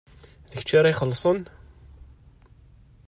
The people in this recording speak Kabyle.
D kečč ara ixellṣen?